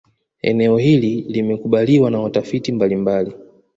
Elezo hili limekubaliwa na watafiti mbalimbali